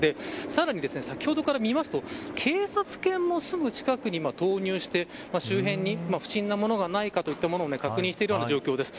さらに先ほどから見ますと警察犬もすぐ近くに投入して周辺に不審なものがないかと確認している状況です。